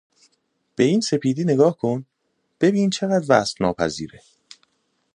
به این سپیدی نگاه کن، ببین چقدر وصف ناپذیره!